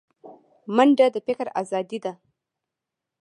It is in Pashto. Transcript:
منډه د فکر ازادي ده